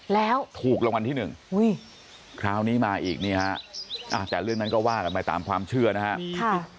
แล้วถูกรางวัลที่หนึ่งคราวนี้มาอีกนี่ฮะแต่เรื่องนั้นก็ว่ากันไปตามความเชื่อนะครับ